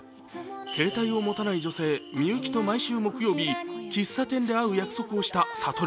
携帯を持たない女性・みゆきと毎週木曜日、喫茶店で会う約束をした悟。